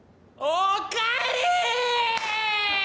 おかえりー！